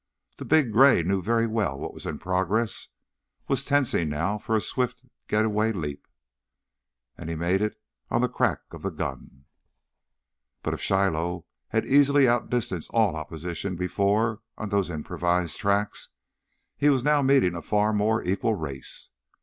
The big gray knew very well what was in progress, was tensing now for a swift getaway leap. And he made it on the crack of the gun. But if Shiloh had easily outdistanced all opposition before on those improvised tracks, he was now meeting a far more equal race.